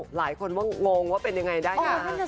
หลายคนก็งงว่าเป็นยังไงได้นะ